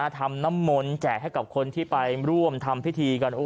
ทำน้ำมนต์แจกให้กับคนที่ไปร่วมทำพิธีกัน